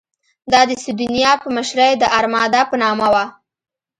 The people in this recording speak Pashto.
دا د سیدونیا په مشرۍ د ارمادا په نامه وه.